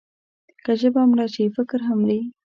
که ژبه مړه شي، فکر هم مري.